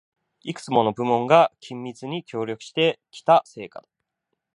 いくつもの部門が緊密に協力してきた成果だ